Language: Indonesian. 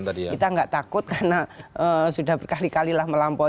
jadi kita tidak takut karena sudah berkali kalilah melampaui